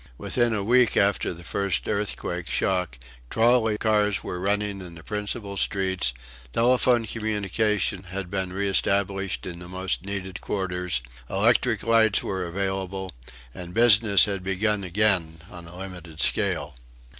Within a week after the first earthquake shock trolley cars were running in the principal streets, telephone communication had been re established in the most needed quarters, electric lights were available and business had begun again on a limited scale.